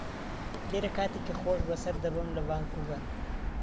لێرە کاتێکی خۆش بەسەر دەبەم لە ڤانکوڤەر.